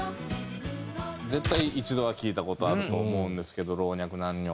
絶対一度は聴いた事あると思うんですけど老若男女。